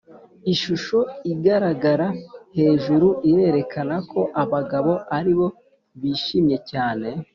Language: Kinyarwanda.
Ishusho igaragara hejuru irerekana ko abagabo aribo bishimye cyane